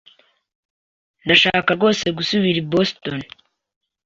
Ndashaka rwose gusubira i Boston.